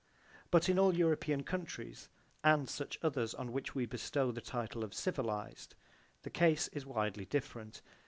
But in all European countries and such others on which we bestow the title of civilized, the case is widely different.